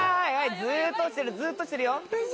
ずっと落ちてるずっと落ちてるよ。